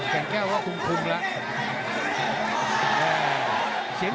แก่งแก้วก็ถูกคุมแล้ว